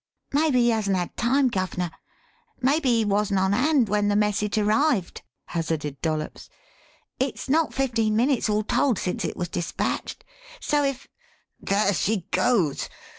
"Maybe he hasn't had time, guv'ner maybe he wasn't on hand when the message arrived," hazarded Dollops. "It's not fifteen minutes all told since it was dispatched. So if " "There she goes!